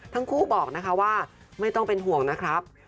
ทั้งคู่บอกนะคะว่าไม่ต้องเป็นห่วงนะครับ